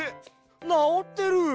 なおってる！？